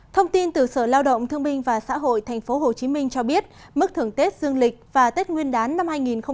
thông tin từ sở lao động thương minh và xã hội tp hcm cho biết mức thưởng tết dương lịch và tết nguyên đán năm hai nghìn hai mươi